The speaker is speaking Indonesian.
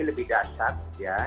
lebih dasar ya